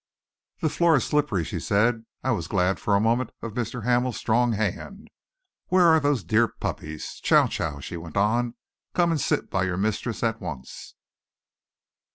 "The floor is slippery," she said. "I was glad, for a moment, of Mr. Hamel's strong hand. Where are those dear puppies? Chow Chow," she went on, "come and sit by your mistress at once."